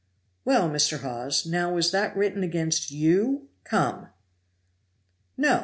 "Well, Mr. Hawes, now was that written against you? come!" "No!